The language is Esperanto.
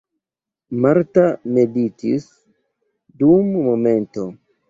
Marta meditis dum momento.